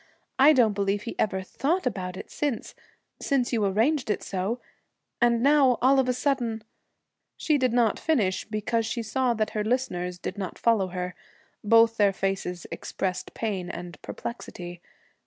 I don't believe he ever thought about it since since you arranged it so, and now, all of a sudden ' She did not finish, because she saw that her listeners did not follow her. Both their faces expressed pain and perplexity.